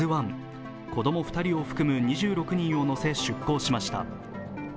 子供２人を含む２６人を乗せ出航しました。